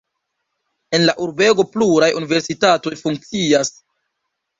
En la urbego pluraj universitatoj funkcias.